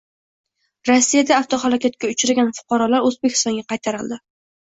Rossiyada avtohalokatga uchragan fuqarolar O‘zbekistonga qaytarildi